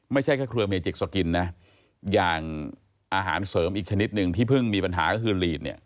ไม่ใช่แค่เครือเมจิกสกินนะอย่างอาหารเสริมอีกชนิดหนึ่งที่เพิ่งมีปัญหาก็คือลีดเนี่ย